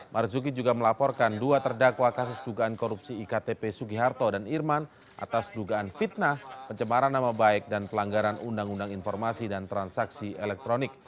marzuki juga melaporkan dua terdakwa kasus dugaan korupsi iktp sugiharto dan irman atas dugaan fitnah pencemaran nama baik dan pelanggaran undang undang informasi dan transaksi elektronik